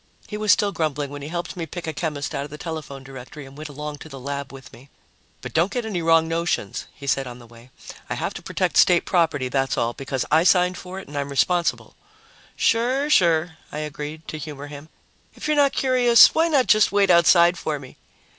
He was still grumbling when he helped me pick a chemist out of the telephone directory and went along to the lab with me. "But don't get any wrong notions," he said on the way. "I have to protect State property, that's all, because I signed for it and I'm responsible." "Sure, sure," I agreed, to humor him. "If you're not curious, why not just wait outside for me?"